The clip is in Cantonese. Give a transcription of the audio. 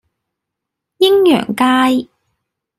鷹揚街